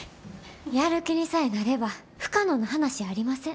やる気にさえなれば不可能な話やありません。